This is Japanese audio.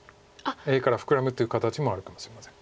Ａからフクラむという形もあるかもしれません。